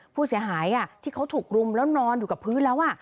ผู้เสียหายที่เขาถูกรุมแล้วนอนอยู่กับพื้นแล้ว